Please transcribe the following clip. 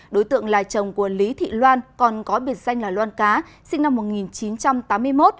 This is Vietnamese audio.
đối tượng là chồng của lý thị loan còn có biệt danh là loan cá sinh năm một nghìn chín trăm tám mươi một